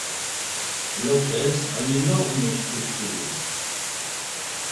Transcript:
L'orchestre a une énorme structure.